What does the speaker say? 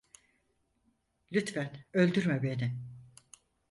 Lütfen öldürme beni.